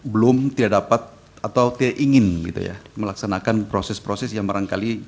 belum tidak dapat atau tidak ingin melaksanakan proses proses yang barangkali